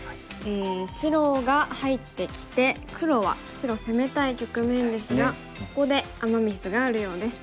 白が入ってきて黒は白攻めたい局面ですがここでアマ・ミスがあるようです。